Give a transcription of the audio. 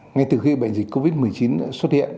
ngay từ khi bệnh dịch covid một mươi chín xuất hiện